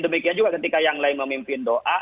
demikian juga ketika yang lain memimpin doa